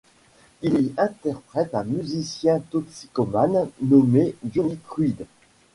Il y interprète un musicien toxicomane nommé Johnny Quid.